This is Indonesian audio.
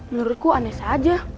menurutku aneh saja